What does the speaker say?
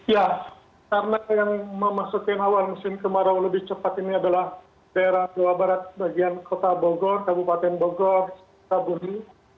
ya karena yang memasukkan awal musim kemarau lebih cepat ini adalah daerah jawa barat bagian kota bogor kabupaten bogor tabumi